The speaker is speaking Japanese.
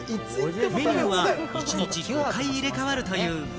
メニューは１日５回、入れ替わるという。